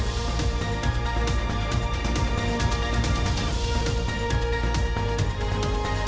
ขอบคุณค่ะขอบคุณค่ะ